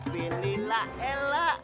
bini lah ela